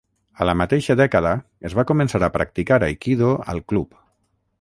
A la mateixa dècada es va començar a practicar aikido al club.